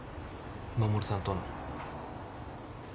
衛さんとの。